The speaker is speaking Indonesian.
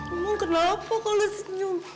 emang kenapa kalau senyum